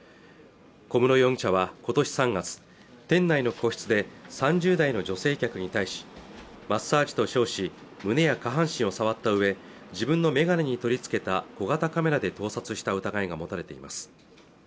小室容疑者は今年３月店内の個室で３０代の女性客に対しマッサージと称し胸や下半身を触ったうえ自分のメガネに取り付けた小型カメラで盗撮した疑いが持たれています